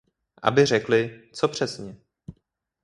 Aby řekli, co přesně?